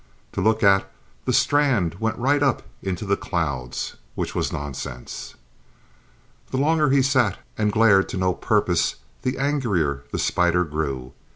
To look at, the strand went right up into the clouds, which was nonsense. The longer he sat and glared to no purpose, the angrier the spider grew.